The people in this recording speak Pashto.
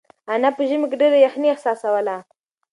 انا په ژمي کې ډېره یخنۍ احساسوله.